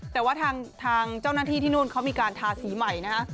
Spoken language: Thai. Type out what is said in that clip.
แต่ว่าทางเจ้าหน้าที่ที่นู่นเขามีการทาสีใหม่นะฮะ